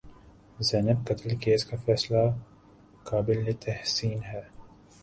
زینب قتل کیس کا فیصلہ قابل تحسین ہے۔